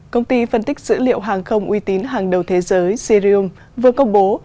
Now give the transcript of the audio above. công ty phân tích dữ liệu hàng không uy tín hàng đầu thế giới sirium vừa công bố